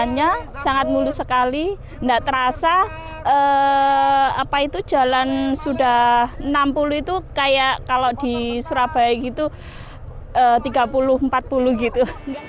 hujannya sangat mulus sekali tidak terasa apa itu jalan sudah enam puluh itu kayak kalau di surabaya gitu tiga puluh empat puluh gitu